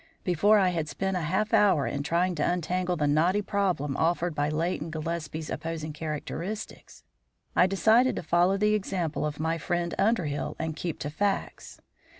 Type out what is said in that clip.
Before I had spent a half hour in trying to untangle the knotty problem offered by Leighton Gillespie's opposing characteristics, I decided to follow the example of my friend Underhill, and keep to facts.